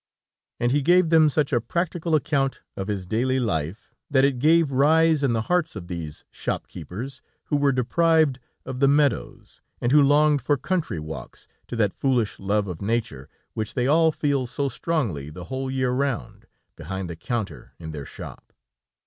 And he gave them such a practical account of his daily life, that it gave rise in the hearts of these shop keepers, who were deprived of the meadows, and who longed for country walks, to that foolish love of nature, which they all feel so strongly the whole year round, behind the counter in their shop.